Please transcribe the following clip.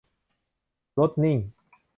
รถนิ่ง